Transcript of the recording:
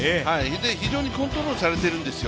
非常にコントロールされているんですよ。